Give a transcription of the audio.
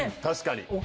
確かに。